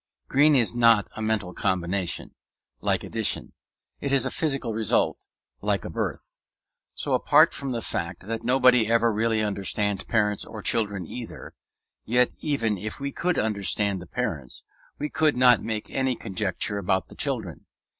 Green is not a mental combination, like addition; it is a physical result like birth. So, apart from the fact that nobody ever really understands parents or children either, yet even if we could understand the parents, we could not make any conjecture about the children.